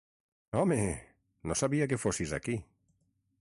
Home!, no sabia que fossis aquí.